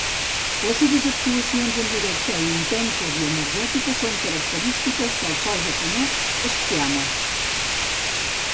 Les seves actuacions en directe intenses i energètiques són característiques del so japonès "screamo".